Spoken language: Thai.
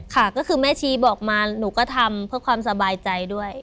ค่ะก็คือแม่ชีบอกมาหนูก็ทำเพื่อความสบายใจด้วย